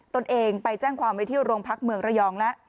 ตัวเองไปแจ้งความไว้ที่โรงพักเมืองระยองแล้ว